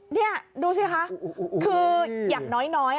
นี่ดูสิคะคืออย่างน้อย